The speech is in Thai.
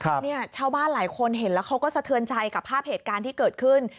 เนี่ยชาวบ้านหลายคนเห็นแล้วเขาก็สะเทือนใจกับภาพเหตุการณ์ที่เกิดขึ้น